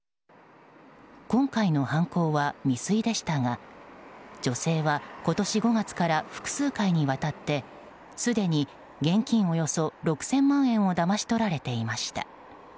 今回の犯行は未遂でしたが女性は今年５月から複数回にわたってすでに現金およそ６０００万円をだまし取られていました。